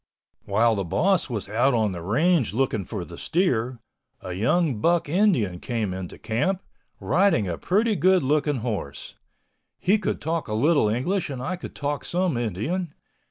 While the boss was out on the range looking for the steer, a young buck Indian came into camp, riding a pretty good looking horse. He could talk a little English and I could talk some Indian.